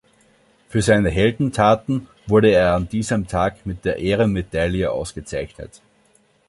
Für seine Heldentaten wurde er an diesem Tag mit der Ehrenmedaille ausgezeichnet.